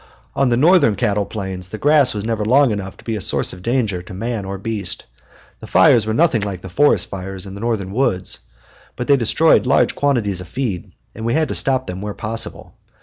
On the Northern cattle plains the grass was never long enough to be a source of danger to man or beast. The fires were nothing like the forest fires in the Northern woods. But they destroyed large quantities of feed, and we had to stop them where possible.